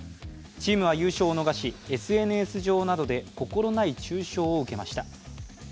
チームは優勝を逃し、ＳＮＳ上などで心ない中傷を受けました。